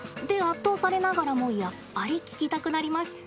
で、圧倒されながらもやっぱり聞きたくなります。